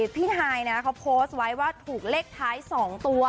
พี่ฮายนะเขาโพสต์ไว้ว่าถูกเลขท้าย๒ตัว